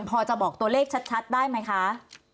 พอจะบอกตัวเลขชัดได้ไหมคะ